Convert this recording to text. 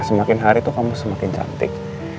semakin hari itu kamu semakin cantik